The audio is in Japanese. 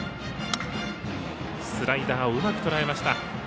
スライダーをうまくとらえました。